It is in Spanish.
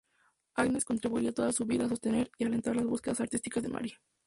Agnes contribuiría toda su vida a sostener y alentar las búsquedas artísticas de Marie.